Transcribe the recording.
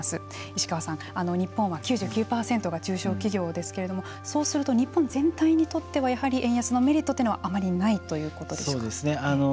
石川さん、日本は９９％が中小企業ですけれどもそうすると、日本全体にとってはあまり円安のメリットはあまりないということでしょうか。